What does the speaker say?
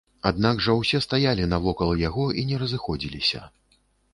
Аднак жа ўсе стаялі навокал яго і не разыходзіліся.